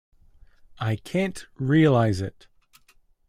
I can’t realize it.